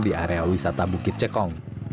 di area wisata bukit cekong